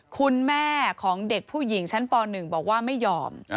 คุณแม่ของเด็กผู้หญิงชั้นป๑บอกว่าไม่ยอม